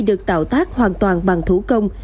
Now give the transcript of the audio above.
được tạo tác hoàn toàn bằng thủ công